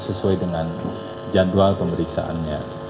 sesuai dengan jadwal pemeriksaannya